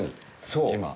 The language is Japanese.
そう！